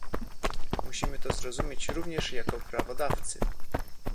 Musimy to zrozumieć również jako prawodawcy